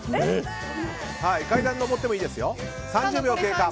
階段上ってもいいですよ。